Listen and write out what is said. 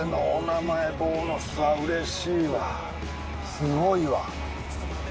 すごいわ。